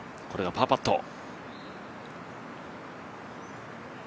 これがパーパット。